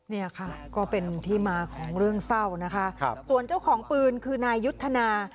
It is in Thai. เนี่ยค่ะก็เป็นที่มาของเรื่องเศร้านะคะส่วนเจ้าของปืนคือนายยุทธนา